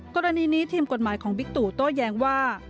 กรณีนี้ทีมกฎหมายของบิ๊กตู่โต้แย้งว่า